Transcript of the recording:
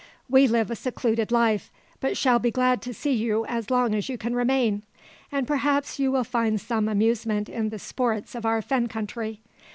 "We live a secluded life, but shall be glad to see you as long as you can remain. And perhaps you will find some amusement in the sports of our fen country.